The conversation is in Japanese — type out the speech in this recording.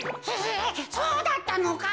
えそうだったのか。